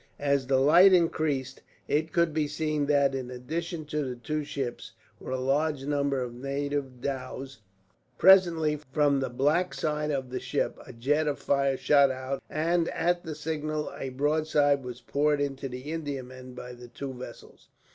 As the light increased, it could be seen that in addition to the two ships were a large number of native dhows. Presently, from the black side of the ship, a jet of fire shot out; and at the signal a broadside was poured into the Indiaman by the two vessels.